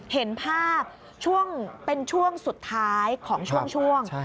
เห็นภาพช่วงเป็นช่วงสุดท้ายของช่วง